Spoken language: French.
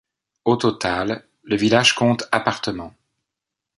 Au total, le village compte appartements.